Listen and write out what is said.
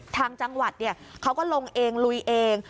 ทางจังหวัดเขาก็ลงเองลุยเอง